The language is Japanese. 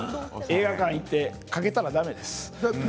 映画館に行ってかけたらだめです。